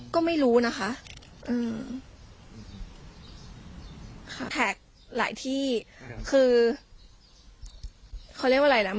ก็ไม่รู้นะคะอืมค่ะแท็กหลายที่คือเขาเรียกว่าอะไรนะ